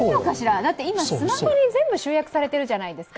だってスマホに今、全部集約されているじゃないですか。